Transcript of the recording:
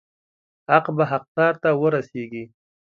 حق به حقدار ته ورسیږي.